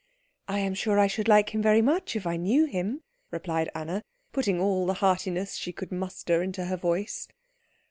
"I am sure I should like him very much if I knew him," replied Anna, putting all the heartiness she could muster into her voice.